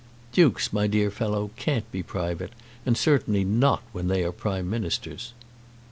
"Dukes, my dear fellow, can't be private, and certainly not when they are Prime Ministers."